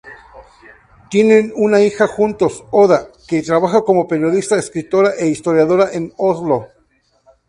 Tienen una hija juntos, Oda, que trabaja como periodista, escritora e historiadora en Oslo.